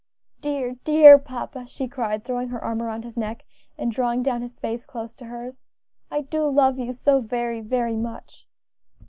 "Dear, dear papa," she cried, throwing her arm round his neck, and drawing down his face close to hers, "I do love you so very, very much!"